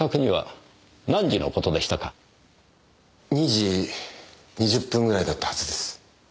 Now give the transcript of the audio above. ２時２０分ぐらいだったはずです。